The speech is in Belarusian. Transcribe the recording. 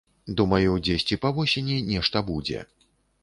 Думаю, дзесьці па восені нешта будзе.